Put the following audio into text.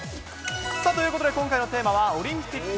ということで、今回のテーマはオリンピック。